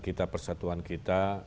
kita persatuan kita